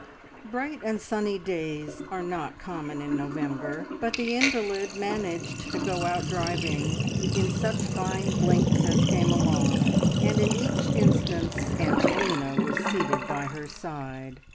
Bright and sunny days are not common in November, but the invalid managed to go out driving in such fine blinks as came along, and in each instance "Angelina" was seated by her side.